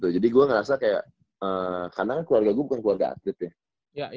jadi gue ngerasa kayak karena keluarga gue bukan keluarga atlet ya